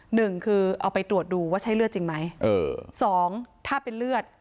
หนึ่งคือเอาไปตรวจดูว่าใช่เลือดจริงไหมเออสองถ้าเป็นเลือด